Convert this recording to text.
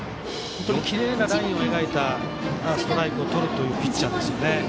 本当にきれいなラインを描いたストライクをとるピッチャーです。